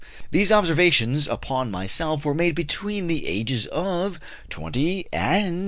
These observations upon myself were made between the ages of 20 and 33.